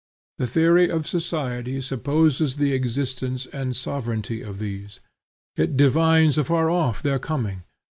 The theory of society supposes the existence and sovereignty of these. It divines afar off their coming.